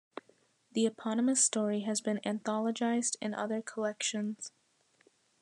The eponymous story has been anthologized in other collections.